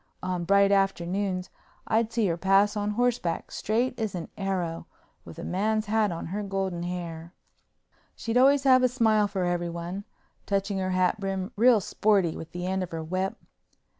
On bright afternoons I'd see her pass on horseback, straight as an arrow, with a man's hat on her golden hair. She'd always have a smile for everyone, touching her hat brim real sporty with the end of her whip.